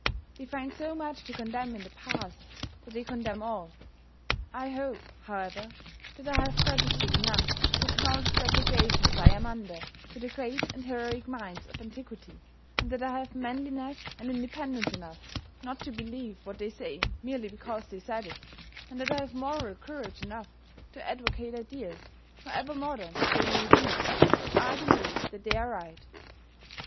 They find so much to condemn in the past, that they condemn all. I hope, however, that I have gratitude enough to acknowledge the obligations I am under to the great and heroic minds of antiquity, and that I have manliness and independence enough not to believe what they said merely because they said it, and that I have moral courage enough to advocate ideas, however modern they may be, if I believe that they are right.